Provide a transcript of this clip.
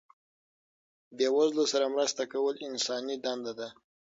بې وزلو سره مرسته کول انساني دنده ده.